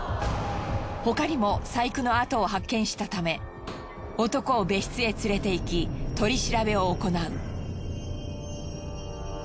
他にも細工の痕を発見したため男を別室へ連れていき取り調べを行う。